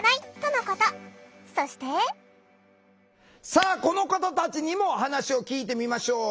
さあこの方たちにも話を聞いてみましょう。